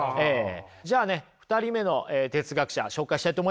じゃあね２人目の哲学者紹介したいと思います。